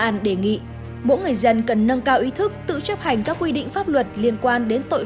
an đề nghị mỗi người dân cần nâng cao ý thức tự chấp hành các quy định pháp luật liên quan đến tội